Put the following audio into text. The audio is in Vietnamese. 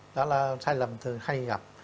đó là sai lầm thường hay gặp